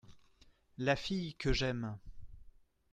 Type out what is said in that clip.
La fille que j’aime.